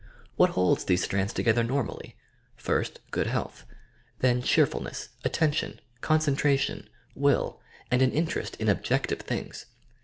What holds these strands together normally! First, good health ; then cheerfulness, attention, con centration, will, and an interest in objective things.